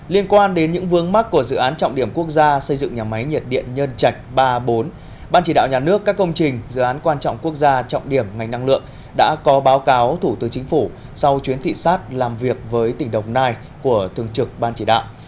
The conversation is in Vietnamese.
liên quan đến những vướng mắt của dự án trọng điểm quốc gia xây dựng nhà máy nhiệt điện nhân trạch ba bốn ban chỉ đạo nhà nước các công trình dự án quan trọng quốc gia trọng điểm ngành năng lượng đã có báo cáo thủ tướng chính phủ sau chuyến thị xác làm việc với tỉnh đồng nai của thường trực ban chỉ đạo